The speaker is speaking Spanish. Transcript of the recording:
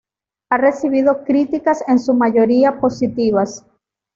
Ha recibido críticas en su mayoría positivas.